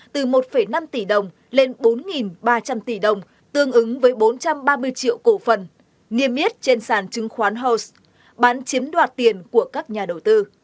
từ một năm tỷ đồng lên bốn ba trăm linh tỷ đồng tương ứng với bốn trăm ba mươi triệu cổ phần nghiêm yết trên sàn chứng khoán hos bán chiếm đoạt tiền của các nhà đầu tư